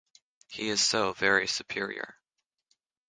He is so very superior.